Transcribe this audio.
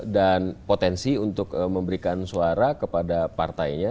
dan potensi untuk memberikan suara kepada partainya